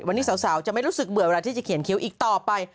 วันนี้สาวจะไม่รู้สึกเบื่อเวลาที่จะเขียนคิ้วอีกต่อไป